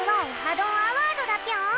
どんアワード」だぴょん。